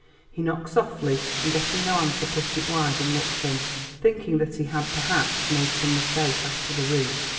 He knocked softly, and getting no answer pushed it wide and looked in, thinking that he had, perhaps, made some mistake as to the room.